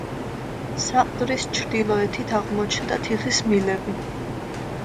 საყდრის ჩრდილოეთით აღმოჩნდა თიხის მილები.